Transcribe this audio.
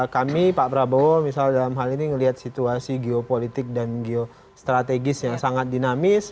kami pak prabowo misalnya dalam hal ini melihat situasi geopolitik dan geostrategis yang sangat dinamis